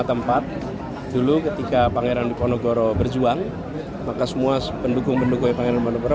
tempat dulu ketika pangeran di pondokoro berjuang maka semua pendukung pendukung pangeran pondokoro